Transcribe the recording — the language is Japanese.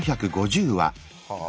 はあ。